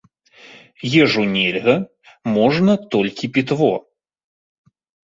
Ежу нельга, можна толькі пітво.